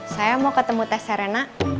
saya mau ketemu tes serena